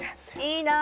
いいな！